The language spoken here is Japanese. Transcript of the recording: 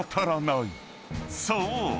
［そう！